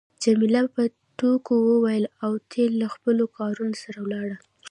جميله په ټوکو وویل اوتیلو له خپلو کارونو سره ولاړ.